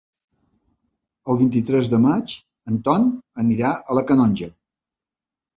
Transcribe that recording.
El vint-i-tres de maig en Ton anirà a la Canonja.